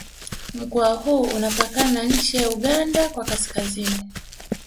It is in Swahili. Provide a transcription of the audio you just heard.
Mkoa huu unapakana na nchi ya Uganda kwa Kaskazini